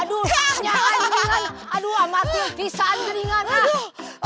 aduh nyahayu beningan aduh amatir pisan beringan aduh